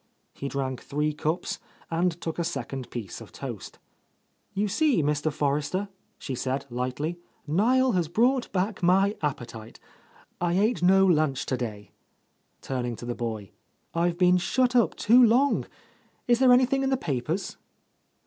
He drank three cups, and took a second piece of toast. "You see, Mr. Forrester," she said lightly, "Niel has brought back my appetite. I ate no lunch to day," turning to the boy, "I've been — 74 — A Lost Lady shut up too long, is there anything in the papers?"